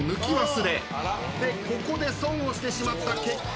でここで損をしてしまった結果